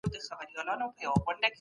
صدقه د انسان ګناهونه پاکوي.